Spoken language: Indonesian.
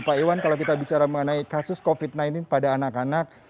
pak iwan kalau kita bicara mengenai kasus covid sembilan belas pada anak anak